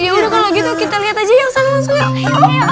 ya udah kalo gitu kita liat aja yang sana langsung